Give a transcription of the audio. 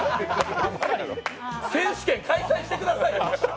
選手権開催してくださいよ